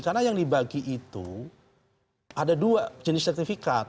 karena yang dibagi itu ada dua jenis sertifikat